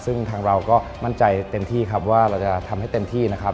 ซึ่งทางเราก็มั่นใจเต็มที่ครับว่าเราจะทำให้เต็มที่นะครับ